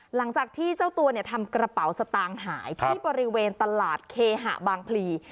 หลังจากที่เจ้าตัวเนี่ยทำกระเป๋าสตางค์หายที่บริเวณตลาดเคหะบางพลี